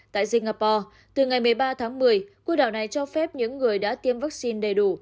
tại singapore từ ngày một mươi ba tháng một mươi cô đảo này cho phép những người đã tiêm vaccine đầy đủ